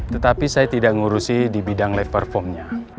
tetapi saya tidak mengurusi di bidang live performnya